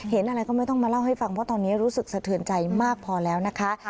เห็นอะไรก็ไม่ต้องมาเล่าให้ฟังเพราะตอนนี้รู้สึกสะเทือนใจมากพอแล้วนะคะ